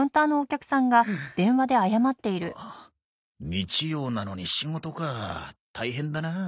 日曜なのに仕事か大変だな。